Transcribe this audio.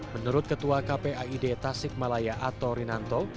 menurut ketua kpaid tasik malaya ato rinanto